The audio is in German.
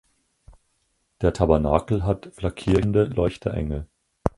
Der Tabernakel hat flankierende Leuchterengel.